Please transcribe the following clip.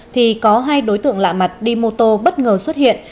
thì có hai đối tượng lạ mặt đi mô tô bất ngờ xuất hiện